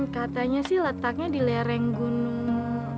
katanya sih letaknya di lereng gunung